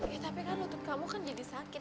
ya tapi kan lutut kamu kan jadi sakit